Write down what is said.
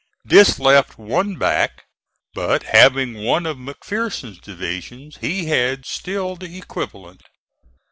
This left one back, but having one of McPherson's divisions he had still the equivalent.